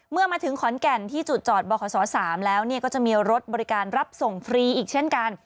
เมื่อมาถึงขอนแก่นที่จุดจอดบขศ๓แล้วก็จะมีรถบริการรับส่งฟรีอีกเช่นกัน